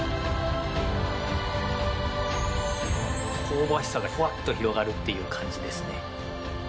香ばしさがほわっと広がるという感じですね。